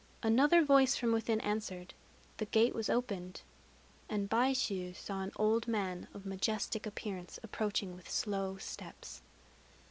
Another voice from within answered; the gate was opened; and Baishû saw an old man of majestic appearance approaching with slow steps.